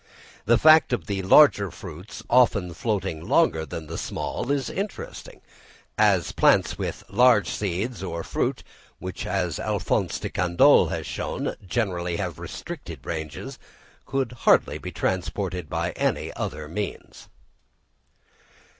The fact of the larger fruits often floating longer than the small, is interesting; as plants with large seeds or fruit which, as Alph. de Candolle has shown, generally have restricted ranges, could hardly be transported by any other means.